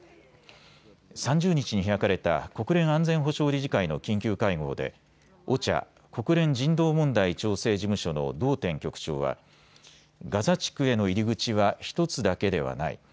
３０日に開かれた国連安全保障理事会の緊急会合でＯＣＨＡ・国連人道問題調整事務所のドーテン局長はガザ地区への入り口は１つだけではない。